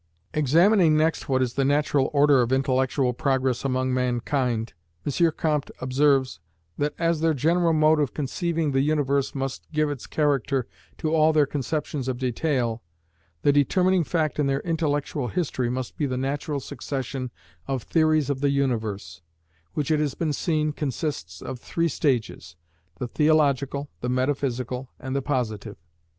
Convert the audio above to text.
Examining next what is the natural order of intellectual progress among mankind, M. Comte observes, that as their general mode of conceiving the universe must give its character to all their conceptions of detail, the determining fact in their intellectual history must be the natural succession of theories of the universe; which, it has been seen, consists of three stages, the theological, the metaphysical, and the positive.